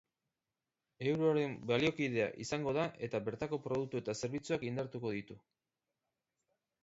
Euroaren baliokidea izango da eta bertako produktu eta zerbitzuak indartuko ditu.